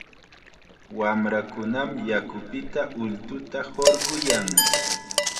Wamrakunam yakupita ultuta hurquyan.